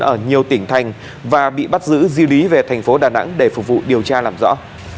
ở nhiều tỉnh thành và bị bắt giữ di lý về thành phố đà nẵng để phục vụ điều tra làm rõ